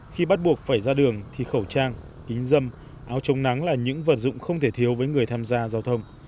khi bắt buộc phải ra đường thì khẩu trang kính dâm áo chống nắng là những vật dụng không thể thiếu với người tham gia giao thông